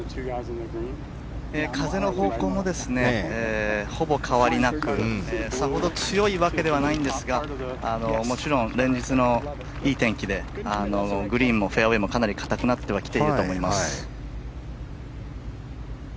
風の方向もほぼ変わりなくさほど強いわけではないんですがもちろん連日のいい天気でグリーンもフェアウェーもかなり硬くなってはきてると思います。